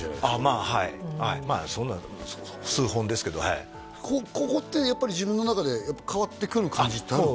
まあはいそんな数本ですけどここってやっぱり自分の中で変わってくる感じってあるんですか？